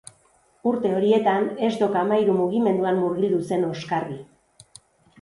Urte horietan, Ez Dok Amairu mugimenduan murgildu zen Oskarbi.